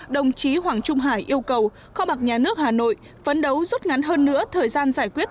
đồng chí hoàng trung hải yêu cầu kho bạc nhà nước hà nội phấn đấu rút ngắn hơn nữa thời gian giải quyết